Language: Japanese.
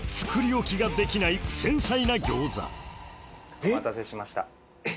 えっ！お待たせしました。